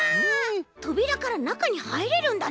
とびらからなかにはいれるんだね。